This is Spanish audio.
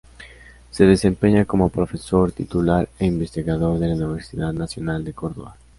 Se desempeña como profesor titular e investigador de la Universidad Nacional de Córdoba.